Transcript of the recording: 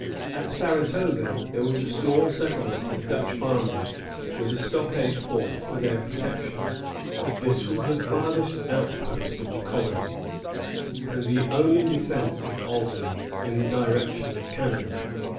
] At Saratoga there was a small settlement of Dutch farmers, with a stockade fort for their protection. This was the farthest outpost of the colony, and the only defence of Albany in the direction of Canada.